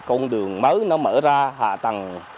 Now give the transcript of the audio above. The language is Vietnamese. con đường mới nó mở ra hạ tầng